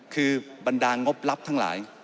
คือบรรดางบรับทั้งหลาย